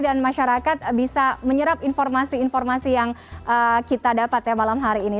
dan masyarakat bisa menyerap informasi informasi yang kita dapat ya malam hari ini